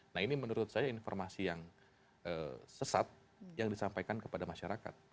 nah ini menurut saya informasi yang sesat yang disampaikan kepada masyarakat